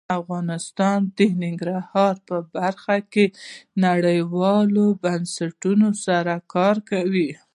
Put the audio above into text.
افغانستان د ننګرهار په برخه کې نړیوالو بنسټونو سره کار کوي.